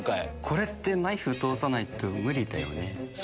これってナイフ通さないと無理だよね。